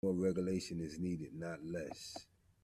More regulation is needed, not less.